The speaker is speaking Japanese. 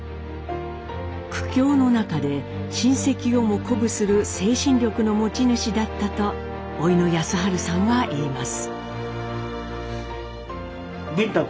苦境の中で親戚をも鼓舞する精神力の持ち主だったとおいの晏治さんは言います。